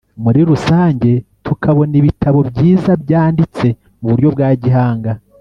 muri rusange tukabona ibitabo byiza byanditse mu buryo bwa gihanga